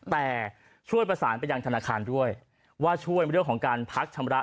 แต่ช่วยประสานไปยังธนาคารด้วยว่าช่วยเรื่องของการพักชำระ